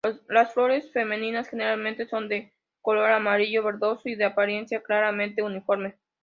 Las flores femeninas generalmente son de color amarillo verdoso y de apariencia claramente uniforme.